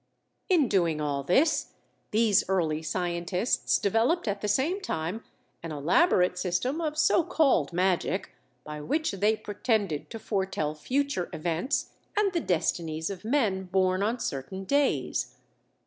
In doing all this, these early scientists developed at the same time an elaborate system of so called "magic" by which they pretended to foretell future events and the destinies of men born on certain days.